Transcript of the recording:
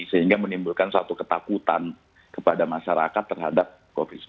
sehingga menimbulkan suatu ketakutan kepada masyarakat terhadap covid sembilan belas